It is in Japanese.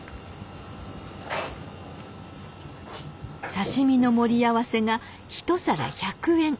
刺身の盛り合わせが１皿１００円。